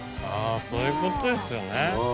そういうことですよね。